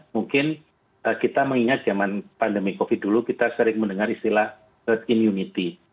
mungkin kita mengingat zaman pandemi covid dulu kita sering mendengar istilah herd immunity